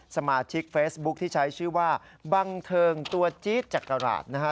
สมาชิกเฟซบุ๊คที่ใช้ชื่อว่าบังเทิงตัวจี๊ดจักราชนะฮะ